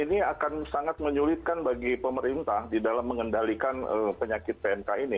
ini akan sangat menyulitkan bagi pemerintah di dalam mengendalikan penyakit pmk ini